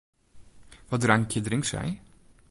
Wat drankje drinkt sy?